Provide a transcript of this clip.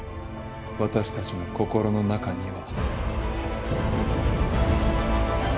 私たちの心の中には。